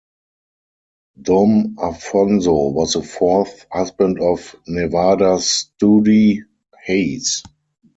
Dom Afonso was the fourth husband of Nevada Stoody Hayes.